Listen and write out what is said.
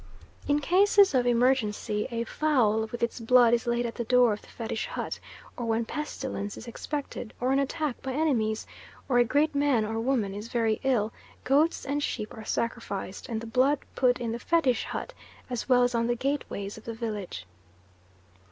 In cases of emergency a fowl with its blood is laid at the door of the Fetish hut, or when pestilence is expected, or an attack by enemies, or a great man or woman is very ill, goats and sheep are sacrificed and the blood put in the Fetish hut as well as on the gateways of the village.